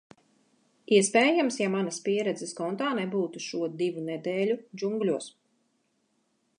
Iespējams, ja manas pieredzes kontā nebūtu šo divu nedēļu džungļos.